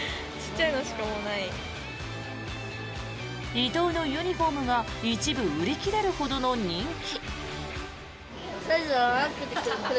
伊藤のユニホームが一部売り切れるほどの人気。